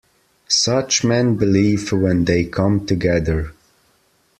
Such men believe, when they come together.